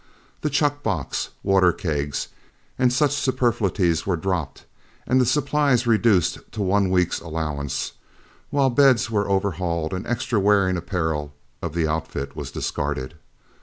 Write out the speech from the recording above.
The chuck box, water kegs, and such superfluities were dropped, and the supplies reduced to one week's allowance, while beds were overhauled and extra wearing apparel of the outfit was discarded.